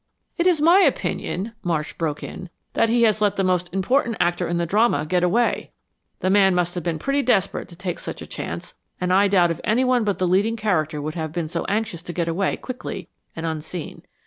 "It is my opinion," Marsh broke in, "that he has let the most important actor in the drama get away. The man must have been pretty desperate to take such a chance, and I doubt if anyone but the leading character would have been so anxious to get away quickly and unseen.